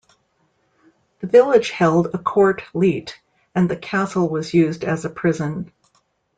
The village held a court leet and the castle was used as a prison.